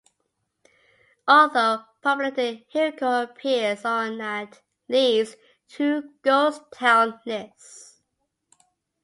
Although populated, Hiko appears on at least two ghost town lists.